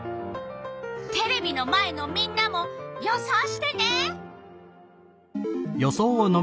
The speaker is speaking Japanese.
テレビの前のみんなも予想してね。